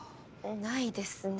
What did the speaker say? ないですね。